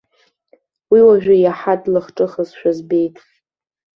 Уи уажәы иаҳа длахҿыхызшәа збеит.